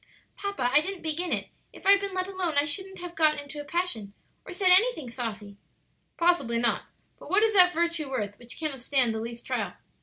"Papa, I didn't begin it; if I'd been let alone I shouldn't have got in a passion or said anything saucy." "Possibly not; but what is that virtue worth which cannot stand the least trial?